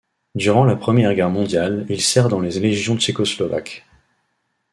Durant la Première Guerre mondiale il sert dans les légions tchécoslovaques.